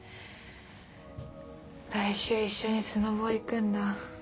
来週一緒にスノボ行くんだ。